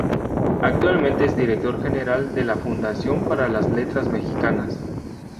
Actualmente es director general de la Fundación para las Letras Mexicanas.